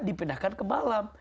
dipindahkan ke malam